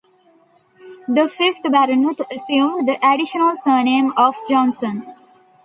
The fifth Baronet assumed the additional surname of Johnson.